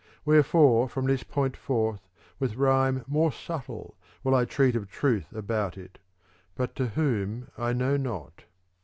^ Wherefore from this point forth with rhyme more subtle will I treat of truth about it : but to whom I know not.